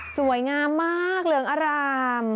สวยงามมากเหลืองอร่าม